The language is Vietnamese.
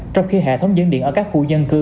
trong khi hệ thống dẫn điện ở các khu dân cư